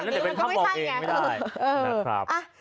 อันนั้นแต่เป็นคำบอกเองไม่ได้